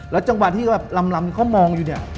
แล้วจังหวะที่รำเขามองอยู่เนี่ย